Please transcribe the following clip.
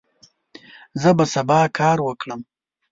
زه به سبا کار وکړم.